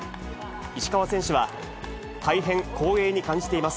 石川選手は、大変光栄に感じています。